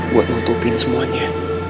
buat ngutupin semuanya